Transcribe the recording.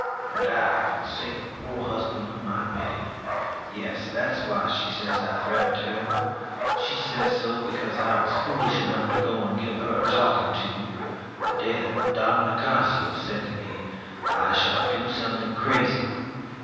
And I, for the sake of the poor husband, whom I pitied Yes, that is why she says that I threatened her. She says so, because I was foolish enough to go and give her a talking to, the day that Don Nicasio said to me, 'I shall do something crazy!'